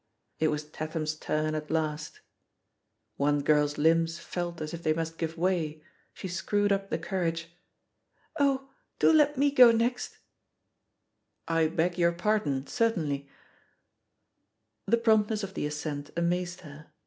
It was Tatham's turn at last. 28 THE POSITION OF PEGGY HARPER «9 One girl's limbs felt as if they must give way; she screwed up the courage: "Oh, do let me go next !" "I beg your pardon — certainly!" The promptness of the assent amazed her.